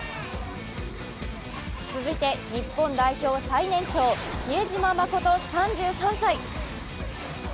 続いて日本代表最年長、比江島慎３３歳。